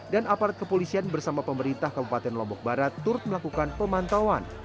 dan aparat kepolisian bersama pemerintah kabupaten lombok barat turut melakukan pemantauan